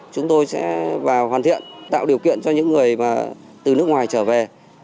chúng tôi sẽ hoàn thiện tạo điều kiện cho những người từ nước ngoài trở về